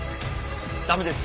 駄目です。